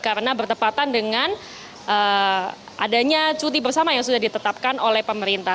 karena bertepatan dengan adanya cuti bersama yang sudah ditetapkan oleh pemerintah